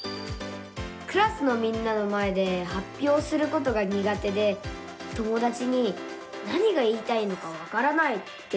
クラスのみんなの前ではっぴょうすることがにが手で友だちに「何が言いたいのかわからない」って言われちゃうんです。